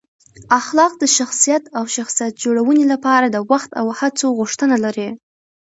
اخلاق د شخصیت او شخصیت جوړونې لپاره د وخت او هڅو غوښتنه لري.